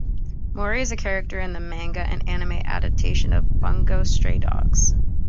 Mori is a character in the manga and anime adaptation of "Bungo Stray Dogs".